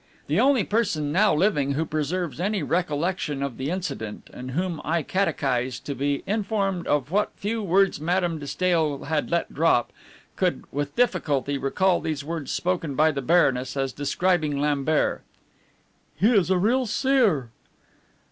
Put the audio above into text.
The only person now living who preserves any recollection of the incident, and whom I catechised to be informed of what few words Madame de Stael had let drop, could with difficulty recall these words spoken by the Baroness as describing Lambert, "He is a real seer."